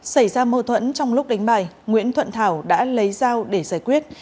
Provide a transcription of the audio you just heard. xảy ra mâu thuẫn trong lúc đánh bài nguyễn thuận thảo đã lấy dao để giải quyết